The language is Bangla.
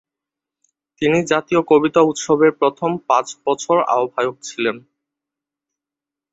তিনি জাতীয় কবিতা উৎসবের প্রথম পাঁচ বছর আহ্বায়ক ছিলেন।